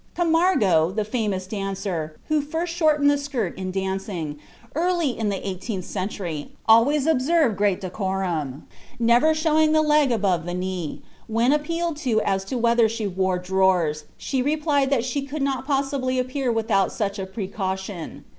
Camargo, the famous dancer, who first shortened the skirt in dancing, early in the eighteenth century, always observed great decorum, never showing the leg above the knee; when appealed to as to whether she wore drawers, she replied that she could not possibly appear without such a "precaution."